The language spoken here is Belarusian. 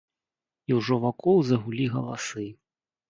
І ўжо вакол загулі галасы.